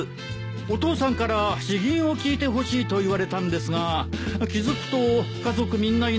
お父さんから詩吟を聞いてほしいと言われたんですが気付くと家族みんないなくなってて。